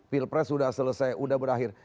pilpres sudah selesai sudah berakhir